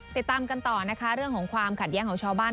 ติดตามกันต่อนะคะเรื่องของความขัดแย้งของชาวบ้าน